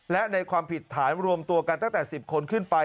และในความผิดฐานรวมตัวกันตั้งแต่๑๐คนขึ้นไป